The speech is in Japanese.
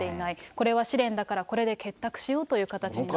これは試練だから、これで結託しようという形になっていると。